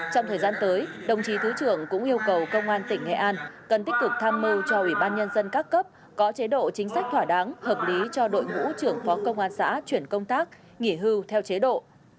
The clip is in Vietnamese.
trong thời gian tới đồng chí thứ trưởng cũng yêu cầu công an tỉnh nghệ an cần tích cực tham mưu cho ủy ban nhân dân các cấp có chế độ chính sách thỏa đáng hợp lý cho đội ngũ trưởng phó công an xã chuyển công tác nghỉ hưu theo chế độ